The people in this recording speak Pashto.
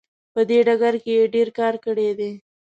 په دې ډګر کې یې ډیر کار کړی دی.